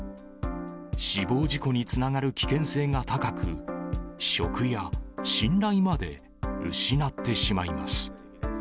死亡事故につながる危険性が高く、職や信頼まで失ってしまいます。